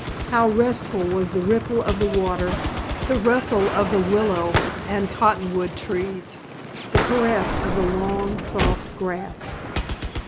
How restful was the ripple of the water, the rustle of the willow and cottonwood trees, the caress of the long, soft grass!